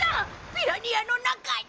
ピラニアの中に！